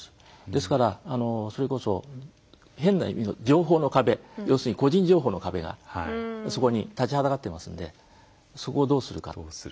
ですから、それこそ情報の壁要するに個人情報の壁がそこに立ちはだかっていますのでそこをどうするか。